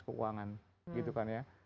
keuangan gitu kan ya